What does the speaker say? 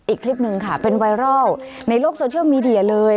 อีกคลิปหนึ่งค่ะเป็นไวรัลในโลกโซเชียลมีเดียเลย